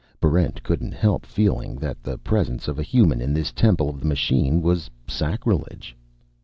Barrent couldn't help feeling that the presence of a human in this temple of the machine was sacrilege.